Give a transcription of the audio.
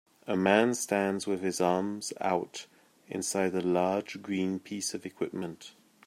A man stands with his arms out inside a large green piece of equipment.